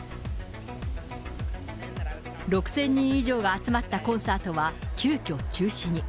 ６０００人以上が集まったコンサートは、急きょ中止に。